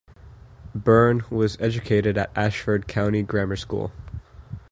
Byrne was educated at Ashford County Grammar School.